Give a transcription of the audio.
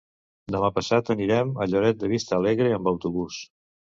Demà passat anirem a Lloret de Vistalegre amb autobús.